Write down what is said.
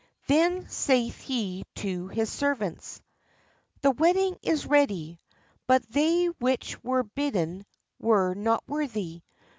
Then saith he to his servants :' The wedding is ready, but they which were bid den were not worthy.